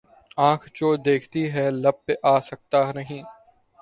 آنکھ جو کچھ دیکھتی ہے لب پہ آ سکتا نہیں